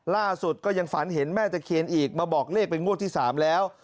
ล่าสุดก็ยังฝันเห็นแม่ตะเคียนอีกมาบอกเลขเป็นงวดที่๓แล้ว